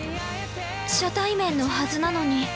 初対面のはずなのに。